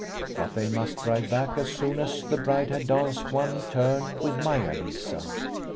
But they must drive back as soon as the bride had danced one turn with Mai a Lisa.